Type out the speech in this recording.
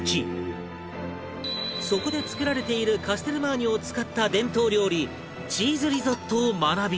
そこで作られているカステルマーニョを使った伝統料理チーズリゾットを学び